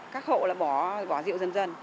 các hộ là bỏ rượu dần dần